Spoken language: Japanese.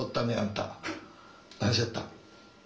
何しよった？